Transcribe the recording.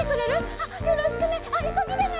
あっよろしくね！いそぎでね！